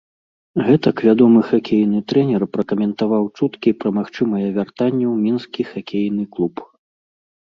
Гэтак вядомы хакейны трэнер пракаментаваў чуткі пра магчымае вяртанне ў мінскі хакейны клуб.